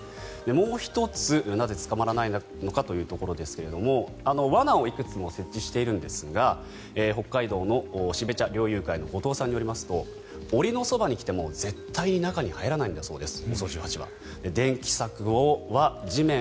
もう１つ、なぜ捕まらないのかというところですが罠をいくつも設置しているんですが北海道の標茶猟友会の後藤さんによりますと檻のそばに来ても絶対に中に入らないそうです。